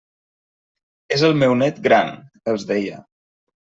«És el meu nét gran», els deia.